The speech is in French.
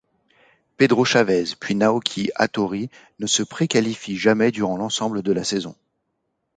Pedro Chaves puis Naoki Hattori ne se pré-qualifient jamais durant l'ensemble de la saison.